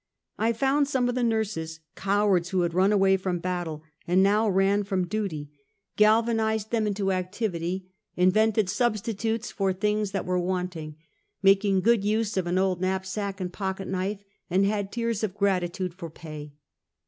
I found some of the nurses — cowards who had run away from battle, and now ran from duty — galvanized 308 Half a Centuey. them into activity, invented substitutes for things that were wanting — making good use of an old knap sack and pocket knife — and had tears of gratitude for pay.